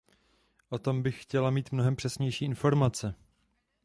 O tom bych chtěla mít mnohem přesnější informace.